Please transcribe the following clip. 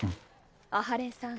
阿波連さん